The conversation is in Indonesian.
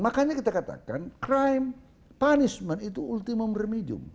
makanya kita katakan crime punishment itu ultimum remedium